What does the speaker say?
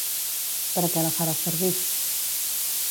Per a què la farà servir?